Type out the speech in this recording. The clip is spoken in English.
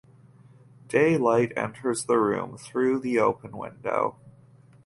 Daylight enters the room through the open window.